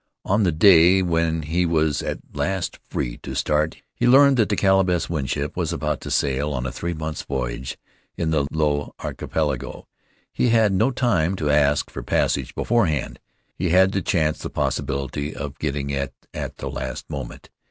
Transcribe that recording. On the day when he was at last free to start he learned that the Caleb S. Winship was about to sail on a three months' voyage in the Low Archipelago. He had no time to ask for passage beforehand. He had to chance the possi bility of getting it at the last moment.